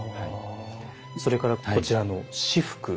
それからこちらの仕覆。